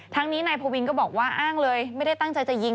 นี้นายพวินก็บอกว่าอ้างเลยไม่ได้ตั้งใจจะยิง